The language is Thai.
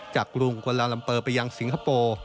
กรุงกวาลาลัมเปอร์ไปยังสิงคโปร์